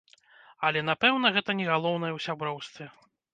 Але, напэўна, гэта не галоўнае ў сяброўстве.